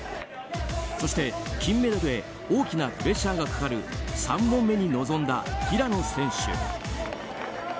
そして、金メダルへ大きなプレッシャーがかかる３本目に臨んだ平野選手。